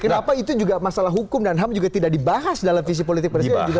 kenapa itu juga masalah hukum dan ham juga tidak dibahas dalam visi politik presiden